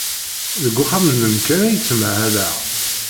Deg uxxam-nnem kan ay ttmahaleɣ.